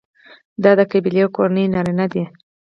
دا د قبیلې او کورنۍ نارینه دي.